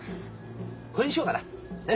これにしようかな？ね！